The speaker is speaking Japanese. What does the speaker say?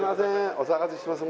お騒がせします